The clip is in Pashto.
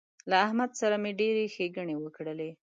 له احمد سره مې ډېرې ښېګڼې وکړلې